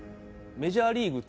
「メジャーリーグ２」